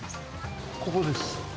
ここです。